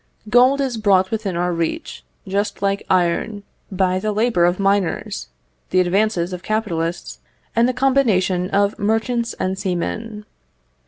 Gold is brought within our reach, just like iron, by the labour of miners, the advances of capitalists, and the combination of merchants and seamen.